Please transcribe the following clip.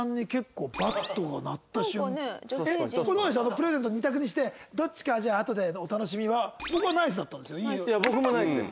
プレゼント２択にしてどっちかはあとでのお楽しみは僕はＮＩＣＥだったんですけど。